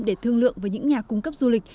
để thương lượng với những nhà cung cấp du lịch